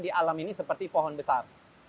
di alam ini seperti pohon besar